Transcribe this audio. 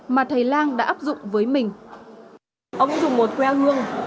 mà thầy lang đã áp dụng với mình